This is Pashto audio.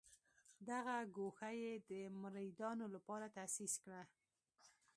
دغه ګوښه یې د مریدانو لپاره تاسیس کړه.